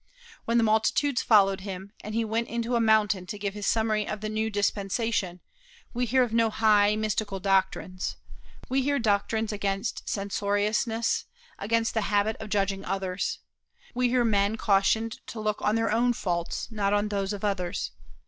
When the multitudes followed him, and he went into a mountain to give his summary of the new dispensation, we hear of no high, mystical doctrines. We hear doctrines against censoriousness, against the habit of judging others. We hear men cautioned to look on their own faults, not on those of others.